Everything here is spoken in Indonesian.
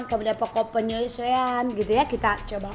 kemudian pokok penyesuaian gitu ya kita coba